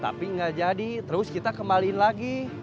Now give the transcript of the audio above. tapi nggak jadi terus kita kembaliin lagi